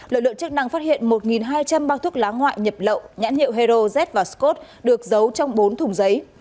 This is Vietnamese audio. lực lượng chức năng phát hiện một hai trăm linh bao thuốc lá ngoại nhập lậu nhãn hiệu hero z và scott được giấu trong bốn thùng giấy